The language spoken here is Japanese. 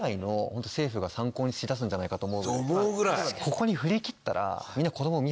ここに振り切ったら。